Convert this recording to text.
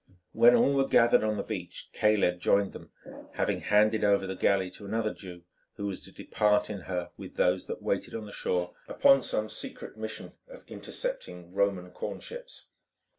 When all were gathered on the beach Caleb joined them, having handed over the galley to another Jew, who was to depart in her with those that waited on the shore, upon some secret mission of intercepting Roman corn ships.